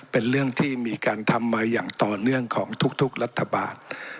เป็นเรื่องที่มีการทำมาอย่างต่อเนื่องของทุกรัฐบาล